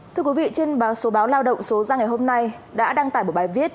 thưa quý vị trên báo số báo lao động số ra ngày hôm nay đã đăng tải một bài viết